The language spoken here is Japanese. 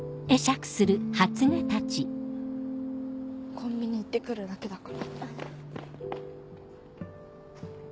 コンビニ行ってくるだけだから。